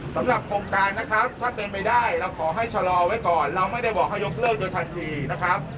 สำหรับโครงการนะครับถ้าเป็นไปได้เราขอให้ชะลอไว้ก่อนเราไม่ได้บอกให้ยกเลิกโดยทันทีนะครับ